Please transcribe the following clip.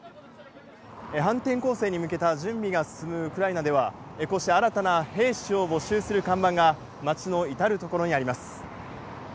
反転攻勢に向けた準備が進むウクライナではこうした新たな兵士を募集する看板が街の至るところにあります。